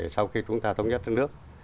sau khi chúng ta thống nhất đất nước